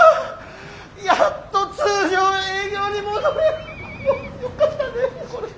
やっと通常営業に戻れる。